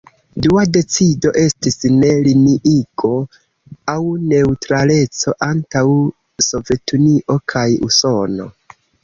Dua decido estis "Ne-Liniigo" aŭ neŭtraleco antaŭ Sovetunio kaj Usono.